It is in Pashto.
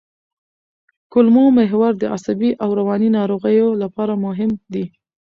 کولمو محور د عصبي او رواني ناروغیو لپاره مهم دی.